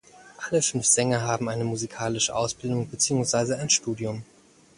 Alle fünf Sänger haben eine musikalische Ausbildung beziehungsweise ein Studium.